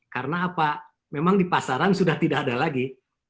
karena apa memang di pasaran sudah tidak ada lagi